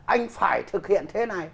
anh phải thực hiện thế này